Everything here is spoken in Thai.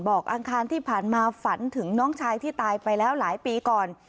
อังคารที่ผ่านมาฝันถึงน้องชายที่ตายไปแล้วหลายปีก่อน